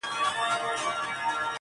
و ذهن ته دي بيا د بنگړو شرنگ در اچوم~